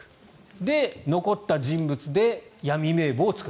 で、残った人物で闇名簿を作る。